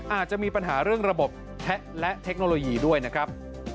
อาจจะมีปัญหาเรื่องระบบแทะและเทคโนโลยีด้วยนะครับ